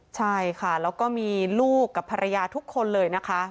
ใช่ค่ะแล้วก็มีลูกกับภรรยาทุกคนเลยนะคะ